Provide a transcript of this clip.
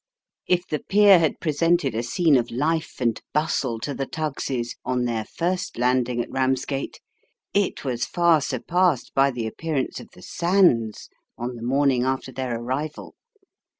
If the pier had presented a scene of life and bustle to the Tuggs's on their first landing at Eamsgate, it was far surpassed by the appear ance of the sands on the morning after their arrival.